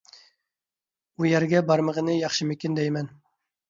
ئۇ يەرگە بارمىغىنى ياخشىمىكىن دەيمەن.